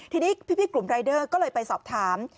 ทีนี้พี่กลุ่มรายเดอร์ก็เลยไปสอบถาม